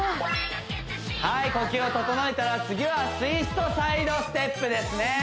はい呼吸を整えたら次はツイストサイドステップですね